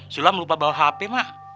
sulam lupa bawa hp mak